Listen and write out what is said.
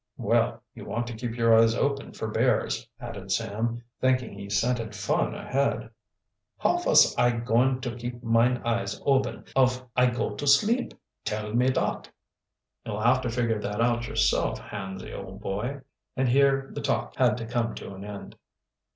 "Well, you want to keep your eyes open for bears," added Sam, thinking he scented fun ahead. "How vos I going to keep mine eyes oben of I go to sleep, tell me dot"? "You'll have to figure that out yourself, Hansy, old boy;" and here the talk had to come to an end.